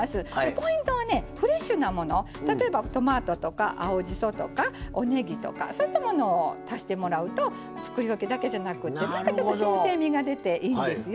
ポイントは、フレッシュなもの例えばトマトとか青じそとかおねぎとか、そういったものを足してもらうとつくりおきだけじゃなくて新鮮味が出ていいんですよ。